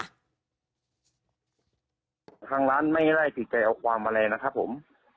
ทางร้านไม่ได้ติดใจเอาความอะไรนะครับผม